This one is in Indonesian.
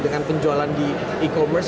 dengan penjualan di e commerce